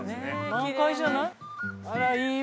満開じゃない？